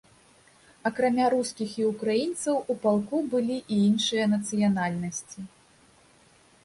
Акрамя рускіх і ўкраінцаў, у палку былі і іншыя нацыянальнасці.